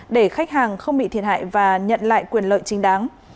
để khách hàng không bị thiệt hại và nhận lại quyền lợi chính đáng